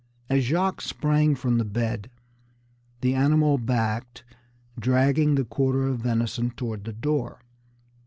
As Jacques sprang from the bed, the animal backed, dragging the quarter of venison toward the door.